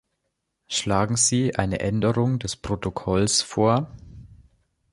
Schlagen Sie eine Änderung des Protokolls vor?